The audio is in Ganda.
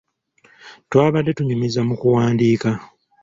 Twabadde tunyumiza mu kuwandiika.